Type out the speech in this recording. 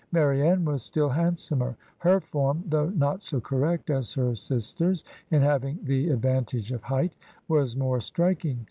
Marianne was still handsomer. Her form, though not so correct as her sister's, in having the ad vantage of height, was more striking.